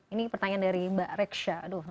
ini pertanyaan dari mbak reksyah